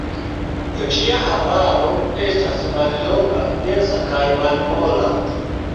Ĝia hararo estas mallonga, densa kaj malmola.